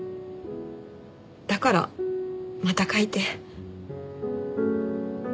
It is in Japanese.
だからまた書いて。